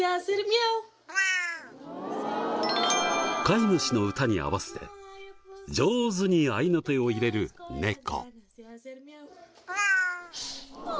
飼い主の歌に合わせて上手に合いの手を入れる猫。